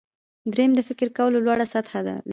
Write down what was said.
دریم د فکر کولو لوړه سطحه لري.